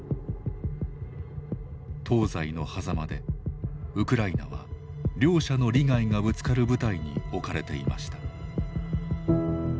東西のはざまでウクライナは両者の利害がぶつかる舞台に置かれていました。